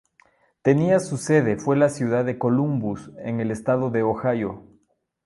Tenía su sede fue la ciudad de Columbus, en el estado de Ohio.